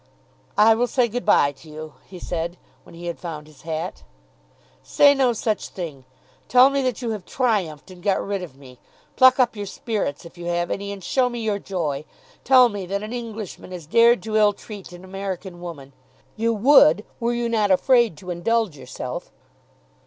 "I will say good bye to you," he said, when he had found his hat. "Say no such thing. Tell me that you have triumphed and got rid of me. Pluck up your spirits, if you have any, and show me your joy. Tell me that an Englishman has dared to ill treat an American woman. You would, were you not afraid to indulge yourself."